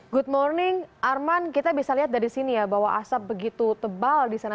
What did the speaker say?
good morning arman kita bisa lihat dari sini ya bahwa asap begitu tebal di sana